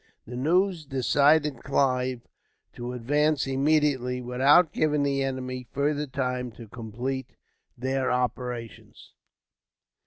This news decided Clive to advance immediately, without giving the enemy further time to complete their operations.